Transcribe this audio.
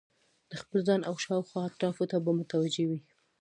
د خپل ځان او شاوخوا اطرافو ته به متوجه وي